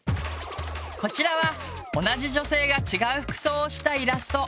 こちらは同じ女性が違う服装をしたイラスト。